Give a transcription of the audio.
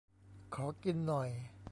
ขอกินหน่อย